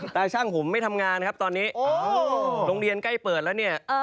แต่ช่างผมไม่ทำงานครับตอนนี้